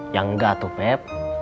ya enggak tuh pep